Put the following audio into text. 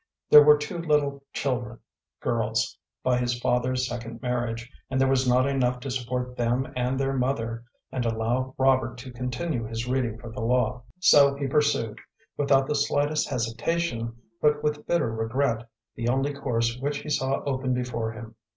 There were two little children girls by his father's second marriage, and there was not enough to support them and their mother and allow Robert to continue his reading for the law. So he pursued, without the slightest hesitation, but with bitter regret, the only course which he saw open before him.